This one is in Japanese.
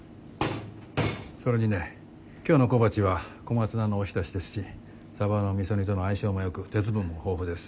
それにね今日の小鉢はコマツナのおひたしですしサバの味噌煮との相性も良く鉄分も豊富です。